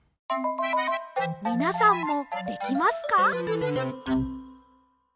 みなさんもできますか？